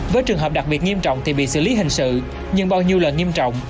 với trường hợp đặc biệt nghiêm trọng thì bị xử lý hình sự nhưng bao nhiêu là nghiêm trọng